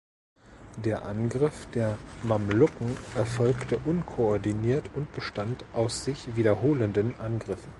Der Angriff der Mamluken erfolgte unkoordiniert und bestand aus sich wiederholenden Angriffen.